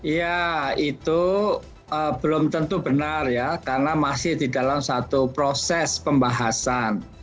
ya itu belum tentu benar ya karena masih di dalam satu proses pembahasan